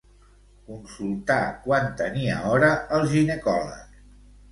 Consultar quan tenia hora al ginecòleg.